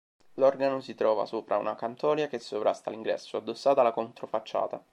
L'organo si trova sopra una cantoria che sovrasta l'ingresso, addossata alla controfacciata.